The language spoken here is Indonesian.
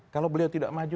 kalau beliau tidak maju